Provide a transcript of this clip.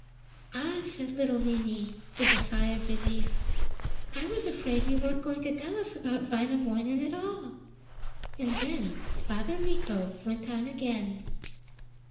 'Ah!' said little Mimi, with a sigh of relief, 'I was afraid you weren't going to tell us about Wainamoinen at all.' And then Father Mikko went on again.